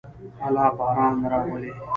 الله باران راولي.